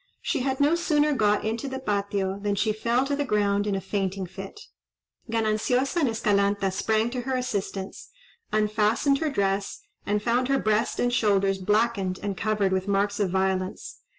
She had no sooner got into the Patio, than she fell to the ground in a fainting fit. Gananciosa and Escalanta sprang to her assistance, unfastened her dress, and found her breast and shoulders blackened and covered with marks of violence.